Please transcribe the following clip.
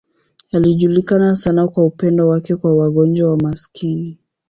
Alijulikana sana kwa upendo wake kwa wagonjwa na maskini.